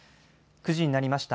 ９時になりました。